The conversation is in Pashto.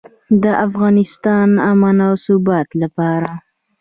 د افغانستان امن او ثبات لپاره.